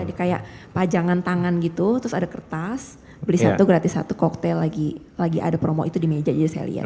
ini kayak pajangan tangan gitu terus ada kertas beli satu gratis satu koktel lagi ada promo itu di meja jadi saya lihat